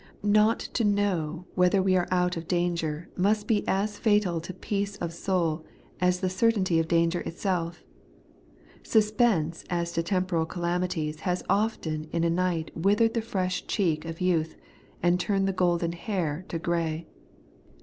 Not to know whether we are out of danger, must be as fatal to peace of soul as the certainty of danger itself Suspense as to temporal calamities has often in a night withered the fresh cheek of youth, and turned the golden hair to grey.